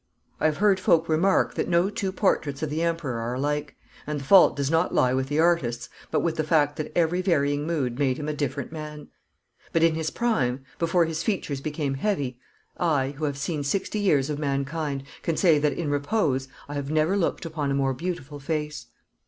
I have heard folk remark that no two portraits of the Emperor are alike, and the fault does not lie with the artists but with the fact that every varying mood made him a different man. But in his prime, before his features became heavy, I, who have seen sixty years of mankind, can say that in repose I have never looked upon a more beautiful face.